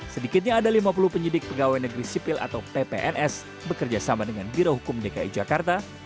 sedikitnya ada lima puluh penyidik pegawai negeri sipil atau ppns bekerja sama dengan birohukum dki jakarta